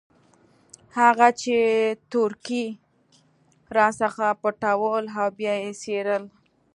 هغه چې تورکي راڅخه پټول او يا يې څيرل.